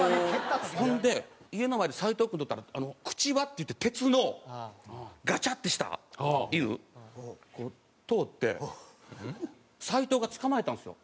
ほんで家の前でサイトウ君とおったら口輪っていって鉄のガチャッてした犬通ってサイトウが捕まえたんですよ